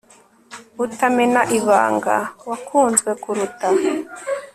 utamena ibanga, wakunzwe kuruta